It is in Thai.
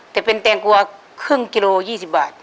แต่เป็นแตงกลัวครึ่งกิโล๒๐บาท